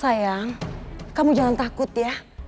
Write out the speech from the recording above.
sayang kamu jangan takut ya